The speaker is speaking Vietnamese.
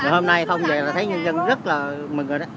hôm nay không vậy là thấy nhân dân rất là mừng rồi đó